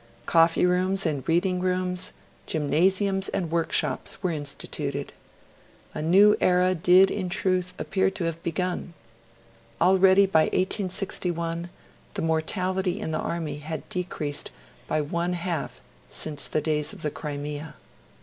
Coffee rooms and reading rooms, gymnasiums and workshops were instituted. A new era did in truth appear to have begun. Already by 1861 the mortality in the Army had decreased by one half since the days of the Crimea.